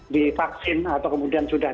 di vaksin atau kemudian sudah